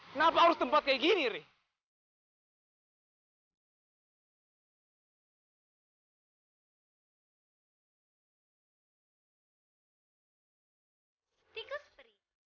kenapa harus tempat kayak gini nih